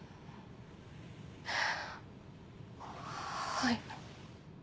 はい。